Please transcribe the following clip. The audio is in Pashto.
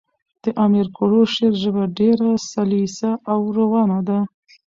د امیر کروړ شعر ژبه ډېره سلیسه او روانه ده.